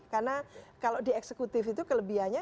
karena kalau dieksekutif itu kelebihannya